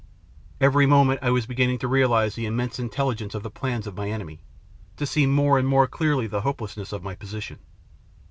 Every moment I was begin ning to realise the immense intelligence of the plans of my enemy, to see more and more clearly the hopelessness of my position.